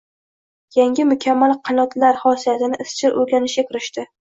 yangi mukammal qanotlar xosiyatini izchil o‘rganishga kirishdi.